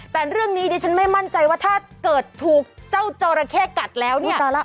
แต่เรื่องนี้ดิฉันไม่มั่นใจว่าถ้าเกิดถูกเจ้าจอราเข้กัดแล้วเนี่ย